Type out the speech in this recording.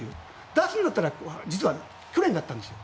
出すんだったら実は去年だったんですよ。